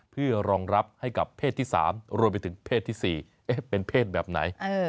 เพื่อรองรับให้กับเพศที่๓รวมไปถึงเพศที่๔เป็นเพศแบบไหน